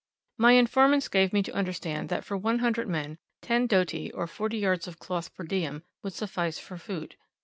My informants gave me to understand that for one hundred men, 10 doti, or 40 yards of cloth per diem, would suffice for food.